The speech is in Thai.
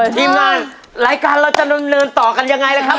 ทีมงานรายการเราจะดำเนินต่อกันยังไงล่ะครับ